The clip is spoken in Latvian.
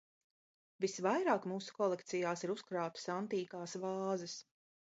Visvairāk mūsu kolekcijās ir uzkrātas antīkās vāzes.